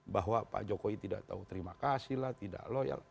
bahwa pak jokowi tidak tahu terima kasih lah tidak loyal